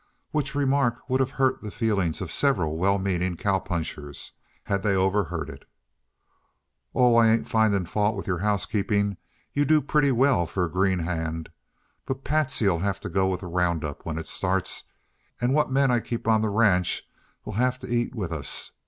Which remark would have hurt the feelings of several well meaning cow punchers, had they overheard it. "Oh, I ain't finding fault with your housekeeping you do pretty well for a green hand. But Patsy'll have to go with the round up when it starts, and what men I keep on the ranch will have to eat with us.